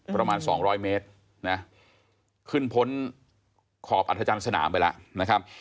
ประมาณสองร้อยเมตรนะขึ้นพ้นขอบอัธจันทร์สนามไปแล้วนะครับ